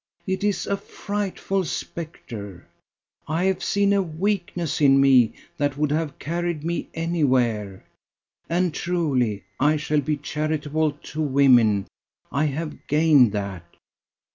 It is a frightful spectre. I have seen a weakness in me that would have carried me anywhere. And truly I shall be charitable to women I have gained that.